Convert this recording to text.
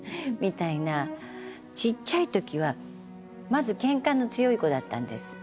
ちっちゃい時はまずケンカの強い子だったんです。